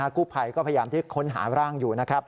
กู้ไพรก็พยายามที่ค้นหาร่างอยู่